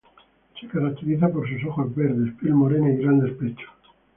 Se caracteriza por sus ojos verdes, piel morena y grandes pechos.